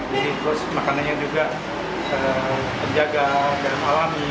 terus makanannya juga terjaga garam alami